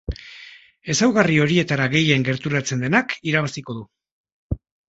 Ezaugarri horietara gehien gerturatzen denak irabaziko du.